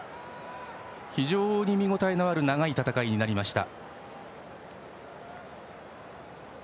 非常に見応えのある長い戦いになりました。